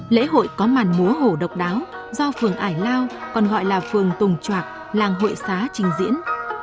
lễ hội có màn múa hổ độc đáo do phường ải lao còn gọi là phường tùng choạc làng hội xá trình diễn